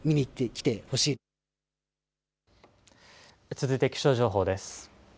続いて気象情報です。